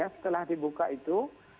setelah dibuka itu